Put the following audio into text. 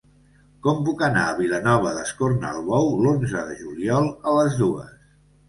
Com puc anar a Vilanova d'Escornalbou l'onze de juliol a les dues?